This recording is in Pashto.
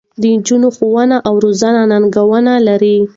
د نجونو ښوونه او روزنه ننګونې لري.